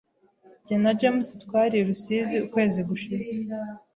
Jye na James twari i rusizi ukwezi gushize.